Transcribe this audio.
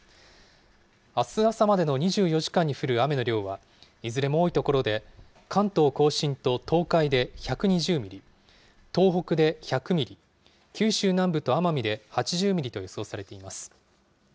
あす朝までの２４時間に降る雨の量は、いずれも多い所で、関東甲信と東海で１２０ミリ、東北で１００ミリ、九州南部と奄美で８０ミリと予想されています。